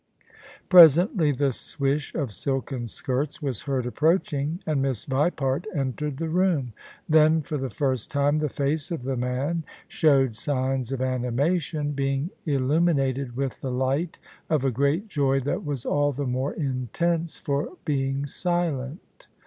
Presently the swish of silken skirts was heard approaching, and Miss Vipart entered the room. Then for the first time the face of the man showed signs of animation, being illu minated with the light of a great joy that was all the more intense for being silent.